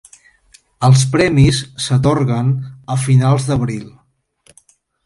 Els premis s'atorguen a finals d'abril.